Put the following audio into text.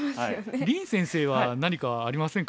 林先生は何かありませんか？